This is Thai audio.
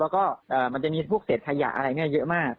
แล้วก็มันจะมีพวกเสร็จขยะอะไรเยอะมาก